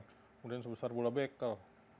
kemudian sebesar bola bekel